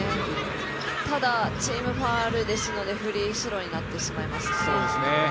ただチームファウルなのでフリースローになってしまいますね。